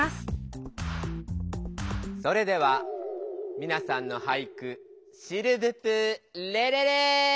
それではみなさんの俳句シルヴプレレレ！